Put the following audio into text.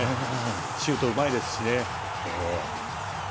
シュート、うまいですしね。